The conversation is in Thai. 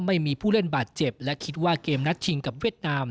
ไม่มีผู้เล่นบาดเจ็บและคิดว่าเกมนัดชิงกับเวียดนาม